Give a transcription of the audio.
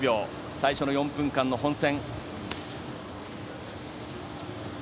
最初の４分間の本戦。